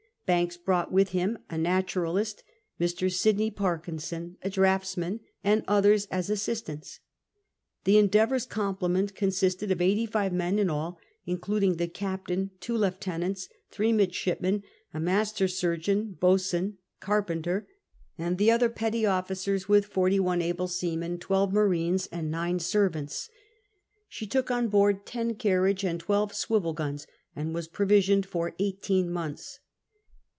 Banks brought with him a naturalist^ Mr. Sydney Parkinson a draughtsman, and others as assistants. The Endeavouf^s complement consisted of eighty five men in all, including the captain, two lieutenants, three mid shipmen, a master, surgeon, boatswain, carpenter, and 72 CAPTAIN COOK CHAP. the other petty officers, with lorty one able seamen, twelve marines, and nine servants. She took on board ten carriage and twelve smyel guns, and was provisioned for eighteen months.